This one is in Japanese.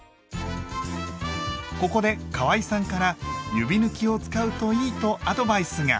ここでかわいさんから指ぬきを使うといいとアドバイスが。